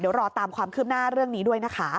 เดี๋ยวรอตามความคืบหน้าเรื่องนี้ด้วยนะคะ